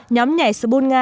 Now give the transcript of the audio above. nhóm nhảy sputna